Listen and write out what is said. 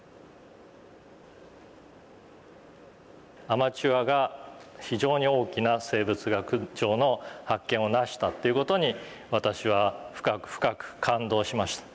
アマチュアが非常に大きな生物学上の発見をなしたという事に私は深く深く感動しました。